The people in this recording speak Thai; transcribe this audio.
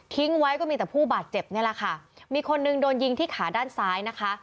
ไว้ก็มีแต่ผู้บาดเจ็บนี่แหละค่ะมีคนหนึ่งโดนยิงที่ขาด้านซ้ายนะคะ